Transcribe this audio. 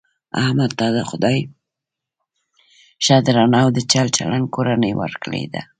احمد ته خدای ښه درنه او د چل چلن کورنۍ ورکړې ده .